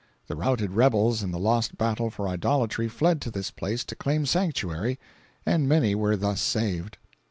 The routed rebels in the lost battle for idolatry fled to this place to claim sanctuary, and many were thus saved.